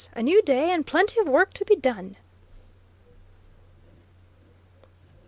A new day, and plenty of work to be done!"